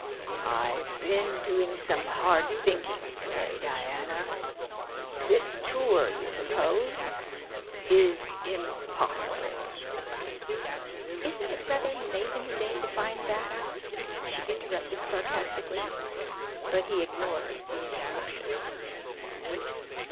"I've been doing some hard thinking to day, Diana. This tour you propose is impossible." "Isn't it rather late in the day to find that out?" she interrupted sarcastically; but he ignored the interruption.